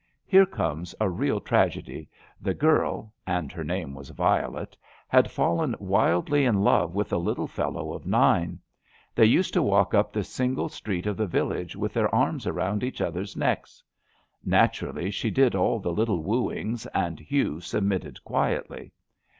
Here comes a real tragedy. The girl V — ^and her name was Violet — ^had fallen wildly in love with a little fellow of nine. They used to walk up the single street of the village with their arms around each other's necks. Naturally, she did all the little wooings, and Hugh submitted quietly.